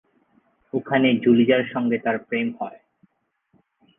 ওখানে জুলিজার সঙ্গে তাঁর প্রেম হয়।